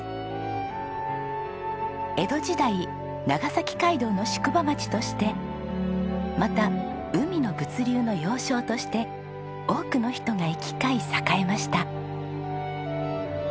江戸時代長崎街道の宿場町としてまた海の物流の要衝として多くの人が行き交い栄えました。